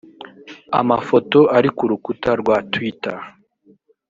Amafoto ari ku rukuta rwa Twitter